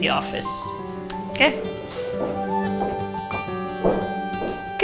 selamat pagi selamat pagi